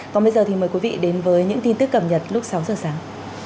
còn bây giờ thì mời quý vị đến với những tin tức cầm nhật lúc sáu giờ sáng